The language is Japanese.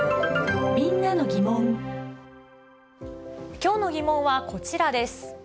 きょうのギモンはこちらです。